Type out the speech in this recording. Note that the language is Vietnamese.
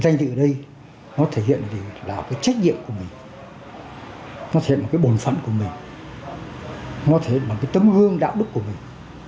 danh dự ở đây nó thể hiện là cái trách nhiệm của mình nó thể hiện là cái bồn phận của mình nó thể hiện là cái tấm hương đạo đức của mình